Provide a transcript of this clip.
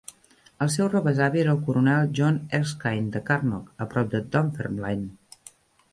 El seu rebesavi era el coronel John Erskine de Carnock, a prop de Dunfermline.